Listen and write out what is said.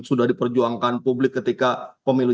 sudah diperjuangkan publik ketika pemilu